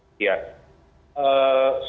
karena saya tidak bisa menunggu terus